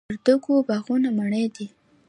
د وردګو باغونه مڼې دي